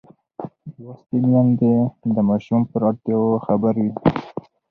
لوستې میندې د ماشوم پر اړتیاوو خبر وي.